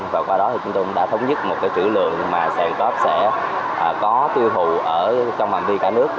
và qua đó chúng tôi cũng đã thống nhất một trữ lượng mà sàn cóp sẽ có tiêu thụ trong bằng vi cả nước